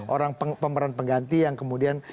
orang pemeran pengganti yang kemudian